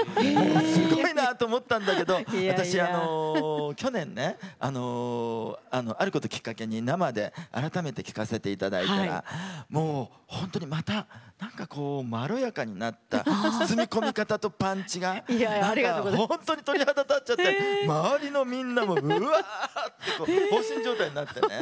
すごいなと思ったんだけど私、去年、あることをきっかけに生で改めて聴かせていただいたらもう、本当に、またまろやかになった包み込み方とパンチが本当に鳥肌立っちゃって周りのみんなも、うわー！って放心状態になってね。